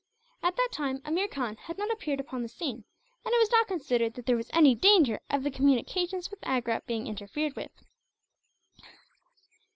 At that time Ameer Khan had not appeared upon the scene, and it was not considered that there was any danger of the communications with Agra being interfered with.